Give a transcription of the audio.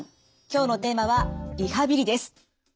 今日のテーマは「リハビリ」です。